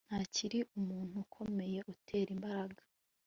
ntakiri umuntu ukomeye utera imbaraga